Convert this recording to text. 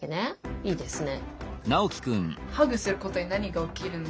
いいですね。